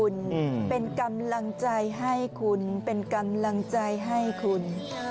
ดอกไม้ให้คุณเป็นกำลังใจให้คุณ